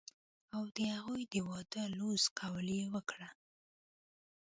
او د هغوي د وادۀ لوظ قول يې وکړۀ